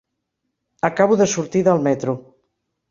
Acabo de sortir del metro.